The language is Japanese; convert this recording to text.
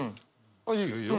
あっいいよいいよ。